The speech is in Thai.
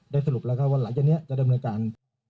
ได้สรุปแล้วว่าหลังจากนี้จะได้บริการ